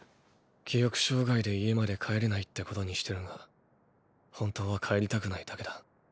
記憶障害で家まで帰れないってことにしてるが本当は帰りたくないだけだ。